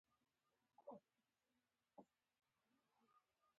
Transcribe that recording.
که ګاونډی زورور وي، ته له عقل کار واخله